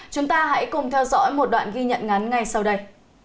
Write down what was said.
chúng ta hãy cùng theo dõi một đoạn ghi nhận ngắn ngay sau đây